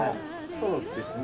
そうですね